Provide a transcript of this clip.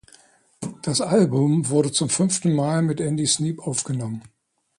Das Album wurde zum fünften Mal mit Andy Sneap aufgenommen.